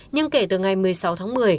nhưng kể từ ngày một mươi sáu tháng một mươi